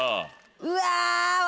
うわ。